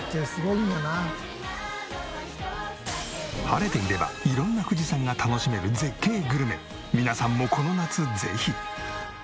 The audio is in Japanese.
晴れていれば色んな富士山が楽しめる絶景グルメ皆さんもこの夏ぜひ！